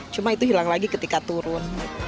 cuma itu hilang lagi ketika turun